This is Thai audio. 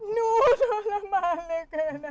หนูทรมานเลยเกินอ่ะนะ